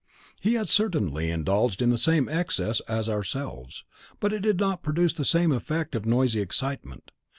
He had certainly indulged in the same excess as ourselves, but it did not produce the same effect of noisy excitement.